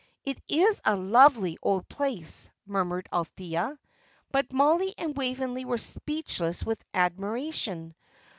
"It is a lovely old place," murmured Althea; but Mollie and Waveney were speechless with admiration.